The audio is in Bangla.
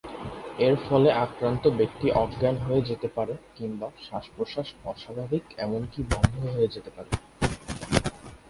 এর ফলে আক্রান্ত ব্যক্তি অজ্ঞান হয়ে যেতে পারে কিংবা শ্বাস-প্রশ্বাস অস্বাভাবিক এমনকি বন্ধ হয়ে যাতে পারে।